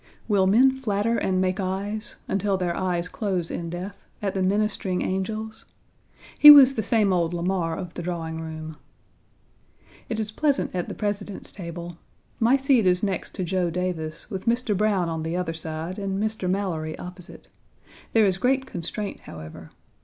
Will men flatter and make eyes, until their eyes close in death, at the ministering angels? He was the same old Lamar of the drawing room. It is pleasant at the President's table. My seat is next to Joe Davis, with Mr. Browne on the other side, and Mr. Mallory opposite. There is great constraint, however.